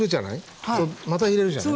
また入れるじゃない？